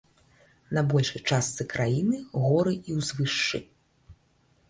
На большай частцы краіны горы і ўзвышшы.